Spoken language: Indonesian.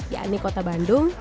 yakni kota bandung